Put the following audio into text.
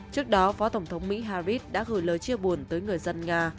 trước đó phó tổng thống mỹ harris đã gửi lời chia buồn tới người dân nga